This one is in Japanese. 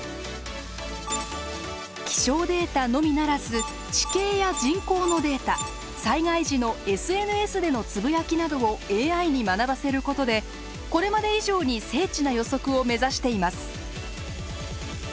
気象データのみならず地形や人口のデータ「災害時のＳＮＳでのつぶやき」などをＡＩに学ばせることでこれまで以上に精緻な予測を目指しています。